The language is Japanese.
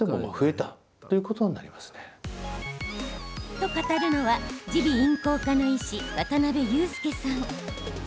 と語るのは、耳鼻咽喉科の医師渡邊雄介さん。